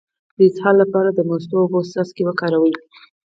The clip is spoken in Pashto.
د اسهال لپاره د مستو او اوبو څاڅکي وکاروئ